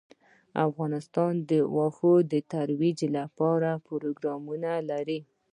افغانستان د اوښ د ترویج لپاره پروګرامونه لري.